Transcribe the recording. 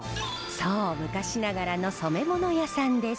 そう昔ながらの染め物屋さんです。